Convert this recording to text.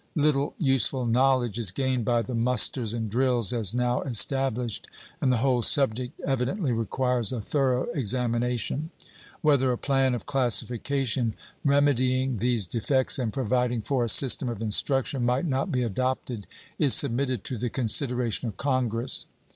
Little useful knowledge is gained by the musters and drills as now established, and the whole subject evidently requires a thorough examination. Whether a plan of classification remedying these defects and providing for a system of instruction might not be adopted is submitted to the consideration of Congress.